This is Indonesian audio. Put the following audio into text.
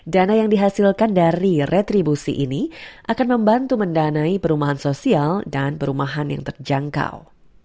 dana yang dihasilkan dari retribusi ini akan membantu mendanai perumahan sosial dan perumahan yang terjangkau